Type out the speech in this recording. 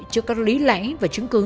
trước các lý lẽ và chứng cứ